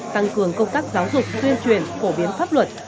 tăng cường công tác giáo dục tuyên truyền phổ biến pháp luật